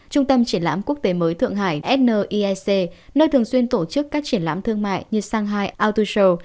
trung tâm triển lãm quốc tế mới thượng hải nisc nơi thường xuyên tổ chức các triển lãm thương mại như shanghai auto show